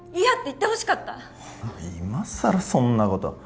いまさらそんなこと。